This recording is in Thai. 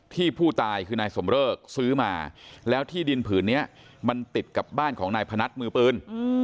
ที่ผู้ตายคือนายสมเริกซื้อมาแล้วที่ดินผืนนี้มันติดกับบ้านของนายพนัทมือปืน